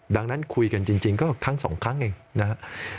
ดังนั้นคุยกันจริงก็ครั้งสองครั้งเองนะครับ